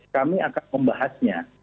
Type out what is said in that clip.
kami akan membahasnya